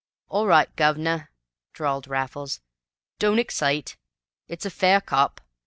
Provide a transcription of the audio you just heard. "All right, guv'nor," drawled Raffles; "don't excite. It's a fair cop.